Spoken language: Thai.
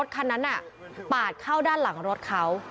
เขาปาดเข้าด้านหลังรถเขา